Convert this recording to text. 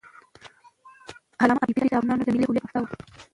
علامه حبیبي د افغانانو د ملي هویت مدافع و.